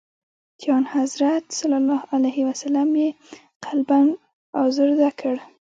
چي آنحضرت ص یې قلباً آزرده کړ.